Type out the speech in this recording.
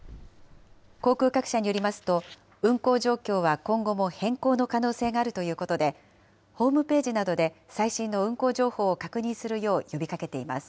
航空各社によりますと、運航状況は今後も変更の可能性があるということで、ホームページなどで最新の運航情報を確認するよう呼びかけています。